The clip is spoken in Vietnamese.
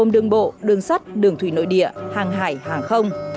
đường sắt đường thủy nội địa hàng hải hàng không